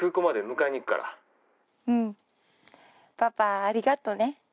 うんパパありがとね。